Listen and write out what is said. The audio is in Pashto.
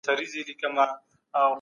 هر علم خپلې ځانګړتیاوې لري.